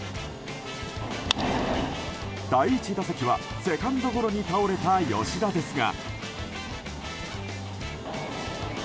第１打席はセカンドゴロに倒れた吉田ですが。